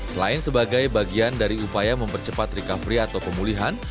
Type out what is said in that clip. selain sebagai bagian dari upaya mempercepat recovery atau pemulihan